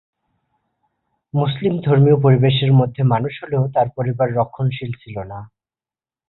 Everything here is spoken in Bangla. মুসলিম ধর্মীয় পরিবেশের মধ্যে মানুষ হলেও তার পরিবার রক্ষণশীল ছিলনা।